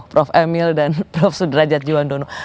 prof emil dan prof sudrajat juwandono